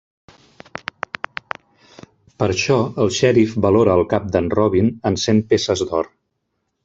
Per això el xèrif valora el cap d'en Robin en cent peces d'or.